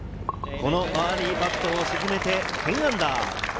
このバーディーパットを沈めて、−１０。